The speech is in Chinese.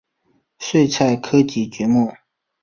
睡菜科及菊目。